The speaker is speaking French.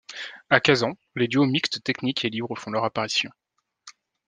À Kazan, les duos mixte technique et libre font leur apparition.